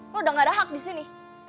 lo udah gak ada hak disini